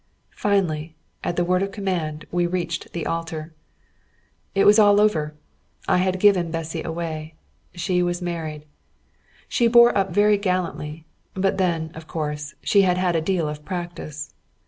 Finally, at the word of command, we reached the altar. It was all over. I had given Bessy away. She was married. She bore up very gallantly; but then, of course, she had had a deal of practice.